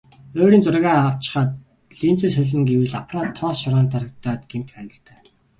Ойрын зургаа авчхаад линзээ солино гэвэл аппарат тоос шороонд дарагдаад гэмтэх аюултай.